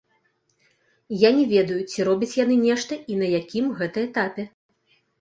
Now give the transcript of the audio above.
Я не ведаю, ці робяць яны нешта і на якім гэта этапе.